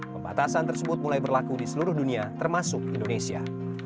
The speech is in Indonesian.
pembatasan tersebut mulai berlaku di seluruh dunia termasuk indonesia